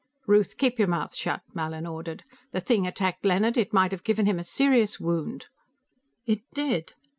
"Ruth, keep your mouth shut!" Mallin ordered. "The thing attacked Leonard; it might have given him a serious wound." "It did!"